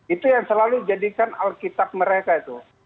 itu yang selalu jadikan alkitab mereka itu